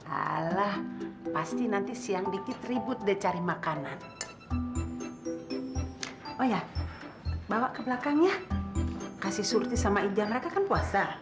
alah pasti nanti siang dikit ribut udah cari makanan